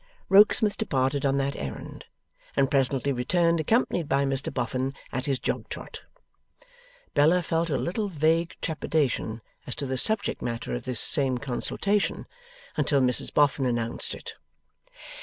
Rokesmith departed on that errand, and presently returned accompanied by Mr Boffin at his jog trot. Bella felt a little vague trepidation as to the subject matter of this same consultation, until Mrs Boffin announced it.